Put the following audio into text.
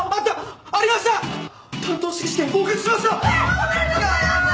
おめでとうございます！